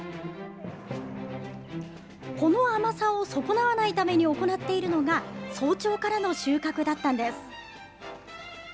この甘さを損なわないために行っているのが、早朝からの収穫だったんです。